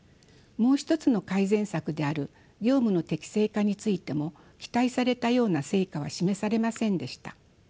もう一つの改善策である業務の適正化についても期待されたような成果は示されませんでした。